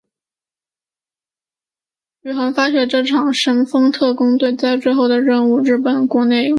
宇垣发起的这场神风特攻队的最后任务在日本国内褒贬不一。